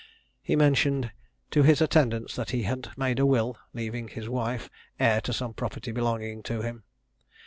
He mentioned to his attendants that he had made a will, leaving his wife heir to some property belonging to him.